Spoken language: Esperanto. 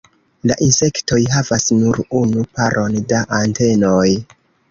La Insektoj havas nur unu paron da antenoj.